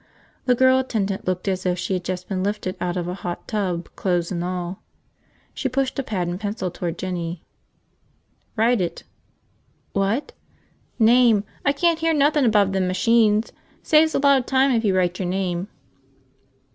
The girl attendant looked as if she had just been lifted out of a hot tub, clothes and all. She pushed a pad and pencil toward Jinny. "Write it." "What?" "Name. I can't hear nothin' above them machines. Saves a lot of time if you write your name."